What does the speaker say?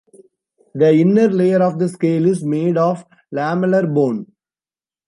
The inner layer of the scale is made of lamellar bone.